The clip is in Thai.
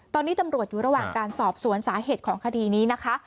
ตอนนี้ตำรวจอยู่ระหว่างการสอบสวนสาเหตุของคดีนี้นะคะ